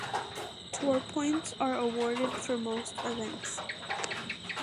Tour points are awarded for most events.